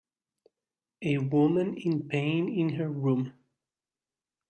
A woman in pain in her room.